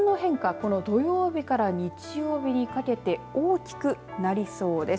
この土曜日から日曜日にかけて大きくなりそうです。